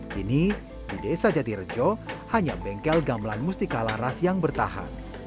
kini di desa jatirjo hanya bengkel gamelan musti kalaras yang bertahan